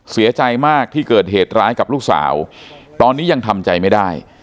เสียใจมากที่เกิดเหตุร้ายกับลูกสาวตอนนี้ยังทำใจไม่ได้